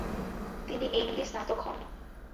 তিনি এম.ডি স্নাতক হন।